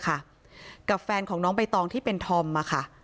กับแฟนของน้องใบตองที่เป็นธอมมาค่ะ